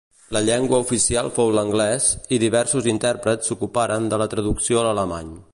La llengua judicial fou l'anglès, i diversos intèrprets s'ocuparen de la traducció a alemany.